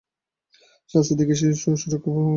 শাস্তি থেকে শিশুর সুরক্ষা পাওয়া মৌলিক অধিকার।